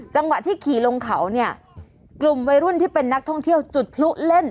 จังหวะที่ขี่ลงเขาเนี่ยกลุ่มวัยรุ่นที่เป็นนักท่องเที่ยวจุดพลุเล่น